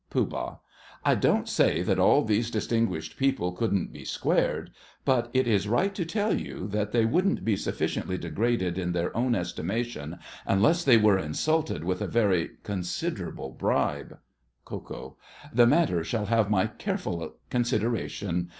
POOH. I don't say that all these distinguished people couldn't be squared; but it is right to tell you that they wouldn't be sufficiently degraded in their own estimation unless they were insulted with a very considerable bribe. KO. The matter shall have my careful consideration.